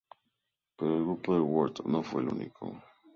Pero el grupo de White no fue el único.